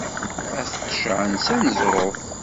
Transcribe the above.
Ad t-qeccɛen s aneẓruf.